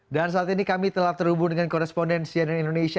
dan saat ini kami telah terhubung dengan korespondensi yang di indonesia